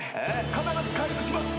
必ず回復します。